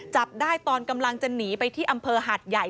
จับได้ตอนกำลังจะหนีไปที่อำเภอหาดใหญ่